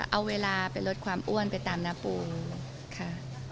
เอาเวลาไปลดความอ้วนไปตามหน้าปูค่ะ